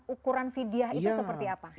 ukuran vidyah itu seperti apa